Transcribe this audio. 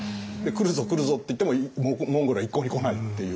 来るぞ来るぞって言ってもモンゴルは一向に来ないっていう。